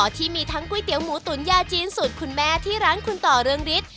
ที่มีทั้งก๋วยเตี๋ยวหมูตุ๋นยาจีนสูตรคุณแม่ที่ร้านคุณต่อเรืองฤทธิ์